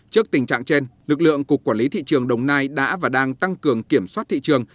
trước tình trạng trên lực lượng cục quản lý thị trường đồng nai đã và đang tăng cường kiểm soát thị trường